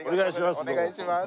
お願いします。